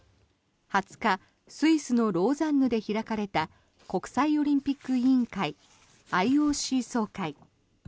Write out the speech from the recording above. ２０日スイスのローザンヌで開かれた国際オリンピック委員会・ＩＯＣ総会。